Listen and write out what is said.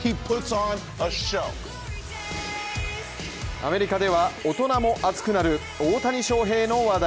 アメリカでは大人も熱くなる大谷翔平の話題。